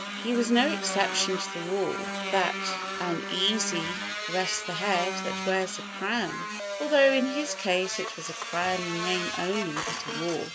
He was no exception to the rule that "uneasy rests the head that wears a crown", al though in his case it was a crown in name only, that he wore.